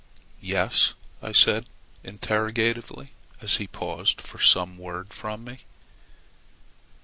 "Yes?" I said interrogatively, as he paused for some word from me.